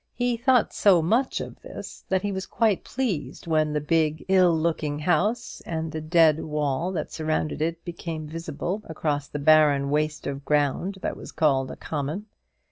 He thought so much of this, that he was quite pleased when the big, ill looking house and the dead wall that surrounded it became visible across the barren waste of ground that was called a common.